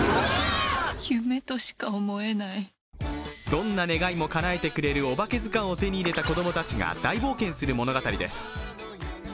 どんな願いもかなえてくれるおばけずかんを手に入れた子供たちが大冒険する物語です。